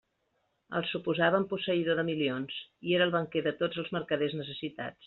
El suposaven posseïdor de milions, i era el banquer de tots els mercaders necessitats.